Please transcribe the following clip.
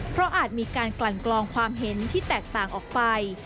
เพราะอาจมีการกลั่นกลองความเห็นที่แตกต่างออกไป